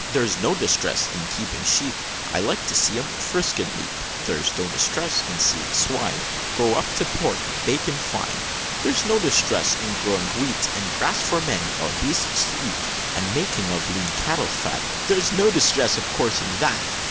"There's no distress in keeping sheep, I likes to see 'em frisk and leap; There's no distress in seeing swine Grow up to pork and bacon fine; There's no distress in growing wheat And grass for men or beasts to eat; And making of lean cattle fat, There's no distress, of course, in that.